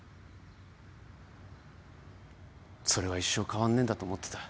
それは一生変わんねえんだと思ってた。